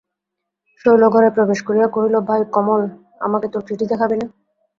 শৈল ঘরে প্রবেশ করিয়া কহিল, ভাই কমল, আমাকে তোর চিঠি দেখাবি নে?